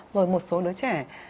rồi một số đứa trẻ